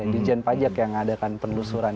dirjen pajak yang adakan penelusuran